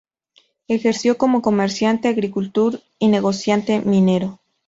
Ejerció como comerciante, agricultor y negociante minero.